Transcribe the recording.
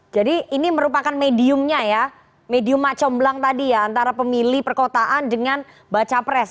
jadi ini merupakan mediumnya ya medium macomblang tadi ya antara pemilih perkotaan dengan baca pres